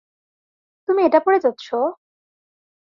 তুমি এটা পরে যাচ্ছ?